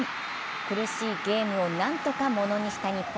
苦しいゲームを何とかものにした日本。